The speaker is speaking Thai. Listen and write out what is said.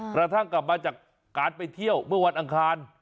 กระทั่งกลับมาจากการไปเที่ยวเมื่อวันอังคาร